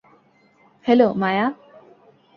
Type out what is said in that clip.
Hello, Maya.